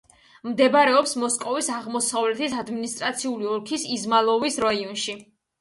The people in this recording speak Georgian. მდებარეობს მოსკოვის აღმოსავლეთის ადმინისტრაციული ოლქის იზმაილოვოს რაიონში.